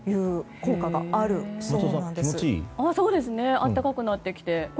温かくなってきて。